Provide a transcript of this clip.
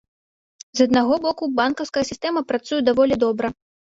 З аднаго боку, банкаўская сістэма працуе даволі добра.